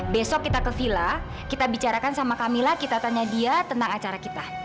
besok kita ke villa kita bicarakan sama camilla kita tanya dia tentang acara kita